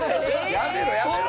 やめろやめろ！